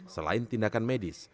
selain tindakan medis